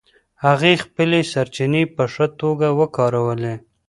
هغې خپلې سرچینې په ښه توګه وکارولې.